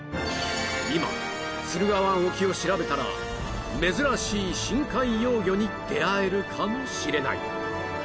いま駿河湾沖を調べたら珍しい“深海幼魚”に出会えるかもしれない！